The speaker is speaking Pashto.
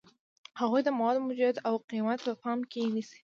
هغوی د موادو موجودیت او قیمت په پام کې نیسي.